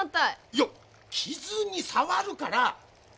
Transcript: いや傷に障るから。